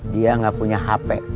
dia gak punya hp